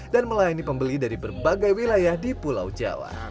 dan melayani pembeli dari berbagai wilayah di pulau jawa